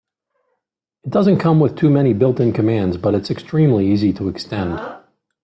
It doesn't come with too many built-in commands, but it's extremely easy to extend.